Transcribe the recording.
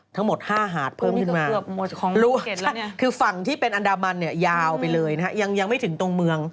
ทั้งหมด๕หาดเพิ่มขึ้นมาคือฝั่งที่เป็นอันดามันเนี่ยยาวไปเลยนะฮะยังไม่ถึงตรงเมือง